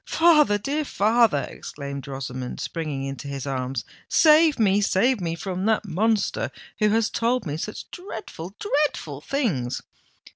"Father—dear father!" exclaimed Rosamond, springing into his arms; "save me—save me from that monster, who has told me such dreadful—dreadful things!"